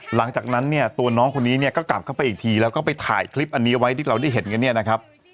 หลังจากนั้นเนี่ยตัวน้องคนนี้เนี่ยก็กลับเข้าไปอีกทีแล้วก็ไปถ่ายคลิปอันนี้ไว้ที่เราได้เห็นกันเนี่ยนะครับ